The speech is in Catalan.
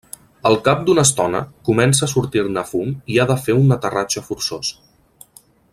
Al cap d'una estona, comença a sortir-ne fum i ha de fer un aterratge forçós.